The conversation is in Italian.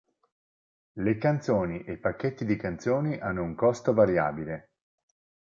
Le canzoni e i pacchetti di canzoni hanno un costo variabile.